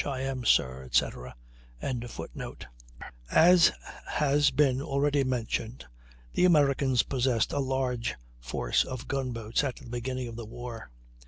I am, sir," etc.] As has been already mentioned, the Americans possessed a large force of gun boats at the beginning of the war.